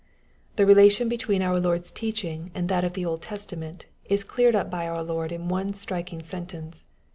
The relation between our Lord's teaching and that of the Old Testament, is cleared up by our Lord in one striking sentence.